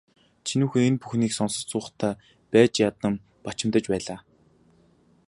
Чинүүхэй энэ бүхнийг сонсож суухдаа байж ядан бачимдаж байлаа.